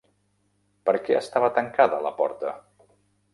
Per què estava tancada la porta?